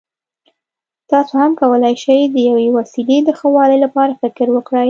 تاسو هم کولای شئ د یوې وسیلې د ښه والي لپاره فکر وکړئ.